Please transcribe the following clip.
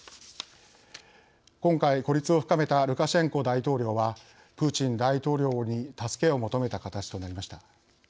今回孤立を深めたルカシェンコ大統領はプーチン大統領に助けを求めたかたちとなりました。